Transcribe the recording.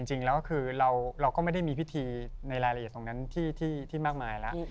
จริงแล้วคือเราก็ไม่ได้มีพิธีในรายละเอียดตรงนั้นที่มากมายแล้ว